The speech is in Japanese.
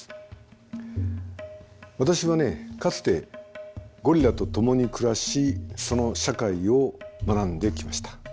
私はねかつてゴリラと共に暮らしその社会を学んできました。